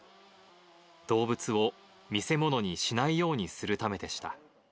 動物を見せ物にしないようにするためでした。